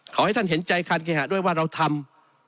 ขอให้ท่านเห็นใจการเคหะด้วยว่าเราทำ